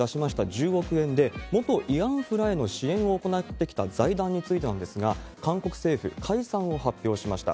１０億円で、元慰安婦らへの支援を行ってきた財団についてなんですが、韓国政府、解散を発表しました。